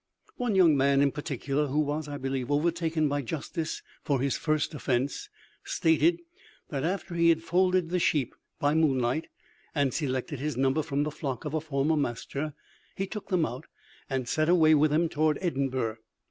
One young man in particular, who was, I believe, overtaken by justice for his first offence, stated, that after he had folded the sheep by moonlight, and selected his number from the flock of a former master, he took them out, and set away with them towards Edinburgh.